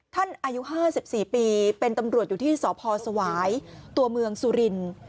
อายุ๕๔ปีเป็นตำรวจอยู่ที่สพสวายตัวเมืองสุรินทร์